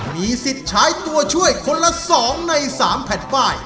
มีสิทธิ์ใช้ตัวช่วยคนละ๒ใน๓แผ่นป้าย